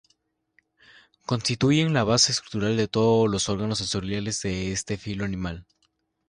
Constituyen la base estructural de todos los órganos sensoriales de este filo animal.